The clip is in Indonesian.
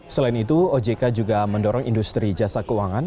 selain itu ojk juga mendorong industri jasa keuangan